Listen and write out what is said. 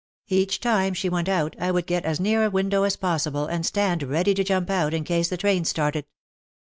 Each time she went out I would get as near a window as possible and stand ready to jump out in case the train started.